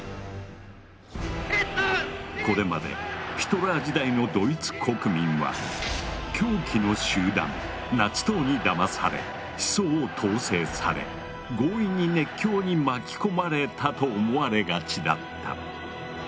これまでヒトラー時代のドイツ国民は狂気の集団ナチ党にだまされ思想を統制され強引に熱狂に巻き込まれたと思われがちだった。